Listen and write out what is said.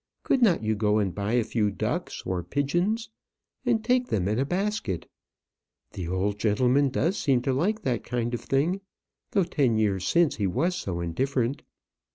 Could not you go and buy a few ducks, or pigeons, and take them in a basket? The old gentleman does seem to like that kind of thing, though ten years since he was so different.